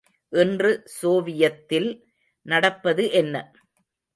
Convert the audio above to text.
இன்று சோவியத்தில் நடப்பது என்ன?